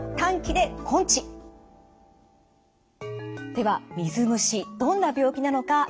では水虫どんな病気なのか見ていきましょう。